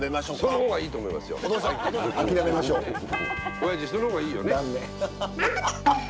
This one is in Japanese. おやじその方がいいよね。